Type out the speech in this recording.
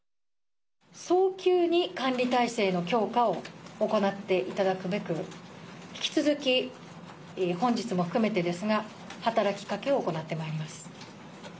早急に管理体制の強化を行っていただくべく、引き続き本日も含めてですが、働きかけを行ってまいります。